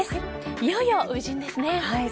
いよいよ初陣ですね。